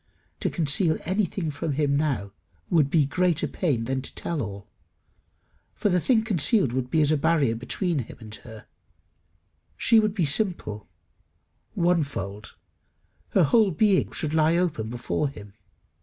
To conceal anything from him now would be greater pain than to tell all, for the thing concealed would be as a barrier between him and her; she would be simple one fold; her whole being should lie open before him.